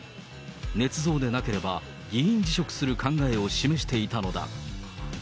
ねつ造でなければ議員辞職する考えを示していたのだ。